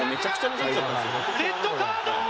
レッドカード！